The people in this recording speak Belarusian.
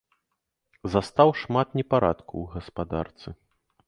Застаў шмат непарадку ў гаспадарцы.